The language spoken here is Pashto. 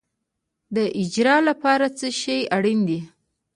د اجر لپاره څه شی اړین دی؟